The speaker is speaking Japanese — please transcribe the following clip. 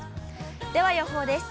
では予報です。